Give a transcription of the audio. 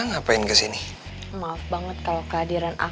nekat banget sih ini anak pake kabur segala